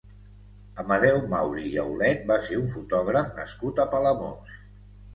Amadeu Mauri i Aulet va ser un fotògraf nascut a Palamós.